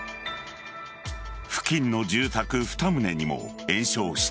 付近の住宅２棟にも延焼した。